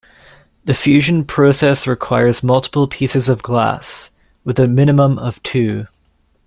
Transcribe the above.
The fusion process requires multiple pieces of glass, with a minimum of two.